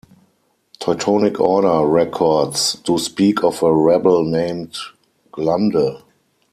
Teutonic Order records do speak of a rebel named Glande.